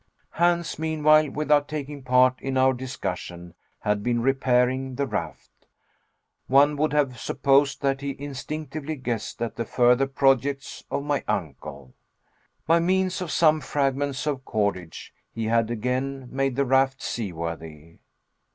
Hans, meanwhile, without taking part in our discussion, had been repairing the raft. One would have supposed that he instinctively guessed at the further projects of my uncle. By means of some fragments of cordage, he had again made the raft seaworthy.